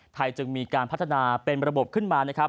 ไทยจึงมีการพัฒนาเป็นระบบขึ้นมา